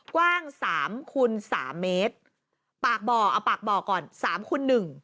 กว้าง๓คูณ๓เมตรปากบ่อเอาปากบ่อก่อน๓คูณ๑